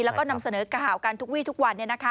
แล้วก็นำเสนอกระห่าวกันทุกวีทุกวัน